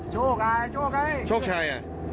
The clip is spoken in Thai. โชคไอ้โชคโชคชัย